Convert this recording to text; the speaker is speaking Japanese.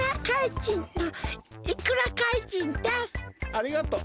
ありがとう。